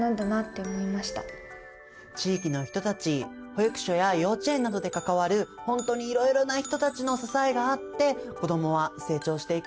地域の人たち保育所や幼稚園などで関わるほんとにいろいろな人たちの支えがあって子どもは成長していくんですよね。